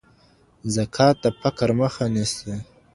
زکات د فقر مخه نیسي.